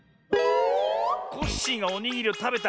コッシーがおにぎりをたべた。